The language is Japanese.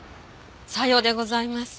さようでございます。